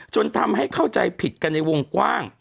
จนทำให้เข้าใจผิดกันในวงกว้าง